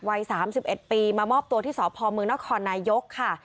วัย๓๑ปีมามอบตัวที่สพมนครนายกค่ะ